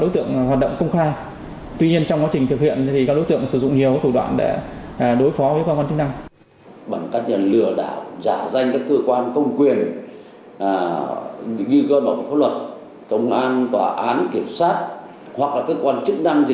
tuy nhiên trong quá trình thực hiện các đối tượng sử dụng nhiều thủ đoạn để đối phó với các quan chức năng